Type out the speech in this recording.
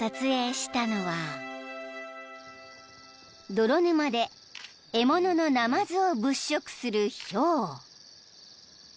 ［泥沼で獲物のナマズを物色するヒョウ］